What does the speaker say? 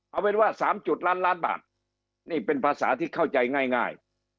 เอาเป็นว่า๓จุดล้านล้านบาทนี่เป็นภาษาที่เข้าใจง่าย